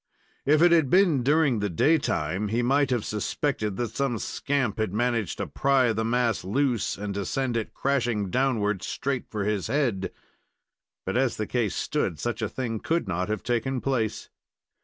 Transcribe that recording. If it had been during the day time, he might have suspected that some scamp had managed to pry the mass loose, and to send it crashing downward straight for his head. But as the case stood, such a thing could not have taken place.